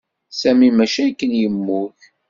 Sami mačči akken i yemmug.